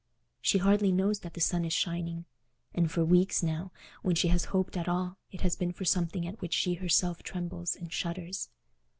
She hardly knows that the sun is shining; and for weeks, now, when she has hoped at all, it has been for something at which she herself trembles and shudders.